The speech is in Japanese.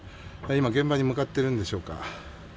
今現場に向かっているんでしょうか。